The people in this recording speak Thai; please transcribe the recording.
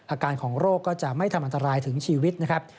อาการของโรคก็จะไม่ทำอันตรายถึงชีวิตนะครับ